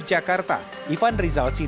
di vf jakarta ivan rizalsi